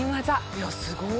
いやすごっ！